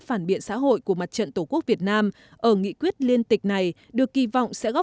phản biện xã hội của mặt trận tổ quốc việt nam ở nghị quyết liên tịch này được kỳ vọng sẽ góp